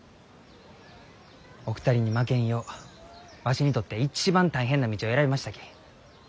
お二人に負けんようわしにとって一番大変な道を選びましたき。